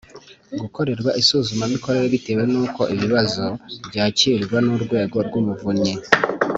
gukorerwa isuzumamikorere bitewe n uko ibibazo byakirwa n Urwego rw Umuvunyi